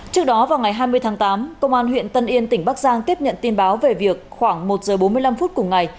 trước đó vào ngày hai mươi tháng tám công an huyện tân yên tỉnh bắc giang tiếp nhận tin báo về việc khoảng một giờ bốn mươi năm phút cùng ngày